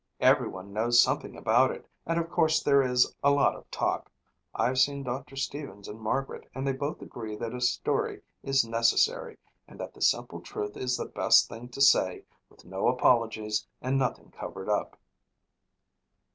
"Everyone knows something about it and of course there is a lot of talk. I've seen Doctor Stevens and Margaret and they both agree that a story is necessary and that the simple truth is the best thing to say with no apologies and nothing covered up."